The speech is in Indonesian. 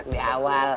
gak bisa di awal